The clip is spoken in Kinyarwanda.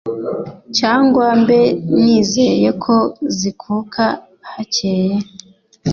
cyangwa mbe nizeye ko zikuka hakeye?